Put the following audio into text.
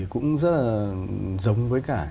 cũng rất là giống với cả